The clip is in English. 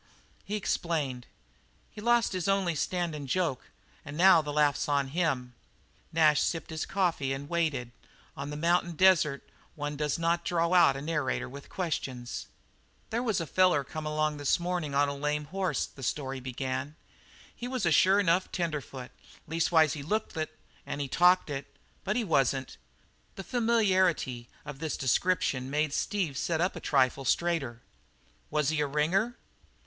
He explained: "He's lost his only standin' joke, and now the laugh's on pa!" Nash sipped his coffee and waited. On the mountain desert one does not draw out a narrator with questions. "There was a feller come along early this mornin' on a lame hoss," the story began. "He was a sure enough tenderfoot leastways he looked it an' he talked it, but he wasn't." The familiarity of this description made Steve sit up a trifle straighter. "Was he a ringer?"